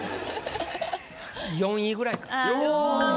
４位ぐらいか。